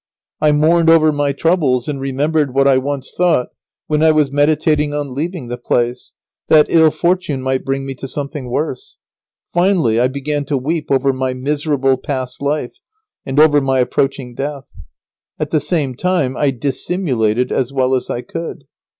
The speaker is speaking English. I mourned over my troubles, and remembered what I once thought, when I was meditating on leaving the priest, that ill fortune might bring me to something worse. Finally, I began to weep over my miserable past life, and over my approaching death. At the same time I dissimulated as well as I could.